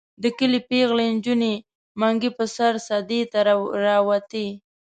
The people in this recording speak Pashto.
د کلي پېغلې نجونې منګي په سر سدې ته راوتې.